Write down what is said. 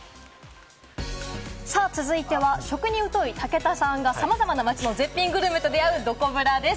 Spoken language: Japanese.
さあ、続いては食に疎い武田さんがさまざまな街の絶品グルメと出会う、どこブラです。